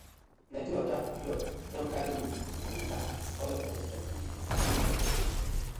Plenti wata flood don karry we for we land, all of us don dey die finish.